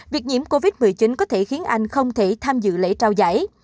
việc nhiễm covid một mươi chín có thể khiến anh không thể tham dự lễ trao giải